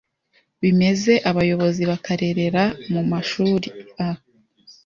bimeze, abayobozi bakarerera mu mashuri a